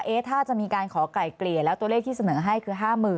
ถ้าจะมีการขอไก่เกลี่ยแล้วตัวเลขที่เสนอให้คือ๕๐๐๐